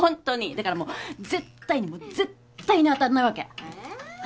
だからもう絶対にもう絶対に当たんないわけ。